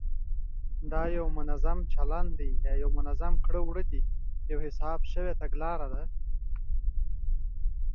دا یو منظم چلند دی، یوه حساب شوې تګلاره ده،